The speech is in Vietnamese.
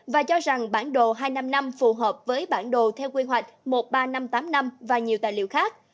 và cho rằng bản đồ hai trăm năm mươi năm phù hợp với bản đồ theo quy hoạch một mươi ba nghìn năm trăm tám mươi năm và nhiều tài liệu khác